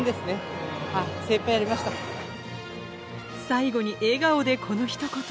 最後に笑顔でこのひと言！